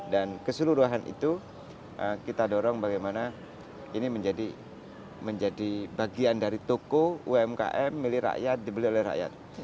dan keseluruhan itu kita dorong bagaimana ini menjadi bagian dari toko umkm milirakyat dibeli oleh rakyat